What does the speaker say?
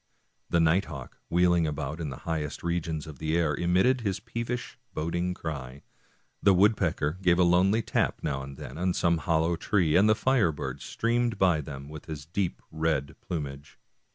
The night hawk, wheeling about in the highest regions of the air, emitted his peevish, boding cry. The woodpecker gave a lonely tap now and then on some hollow tree, and the firebird ^ streamed by them with his deep red plumage.